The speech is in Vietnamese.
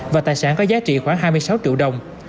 và tài sản có giá trị khoảng hai mươi sáu triệu đồng